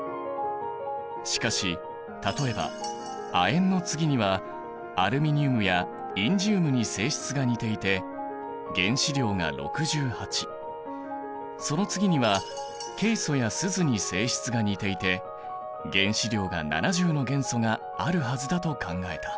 しかし例えば亜鉛の次にはアルミニウムやインジウムに性質が似ていて原子量が６８その次にはケイ素やスズに性質が似ていて原子量が７０の元素があるはずだと考えた。